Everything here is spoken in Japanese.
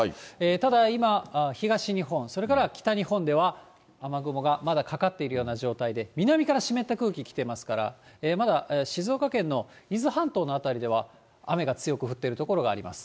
ただ、今、東日本、それから北日本では、雨雲がまだかかっているような状態で、南から湿った空気来てますから、まだ静岡県の伊豆半島の辺りでは雨が強く降ってる所があります。